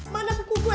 mana buku gue